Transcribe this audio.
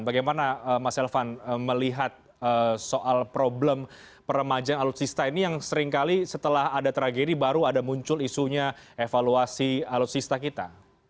bagaimana mas elvan melihat soal problem peremajaan alutsista ini yang seringkali setelah ada tragedi baru ada muncul isunya evaluasi alutsista kita